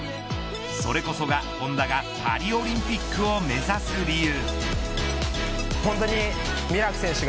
それこそが本多がパリオリンピックを目指す理由。